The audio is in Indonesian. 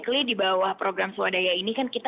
atau priests itu menggunakan ya